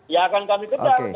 ya akan kami kejar